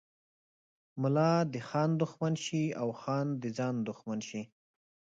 ملا د خان دښمن شي او خان د ځان دښمن شي.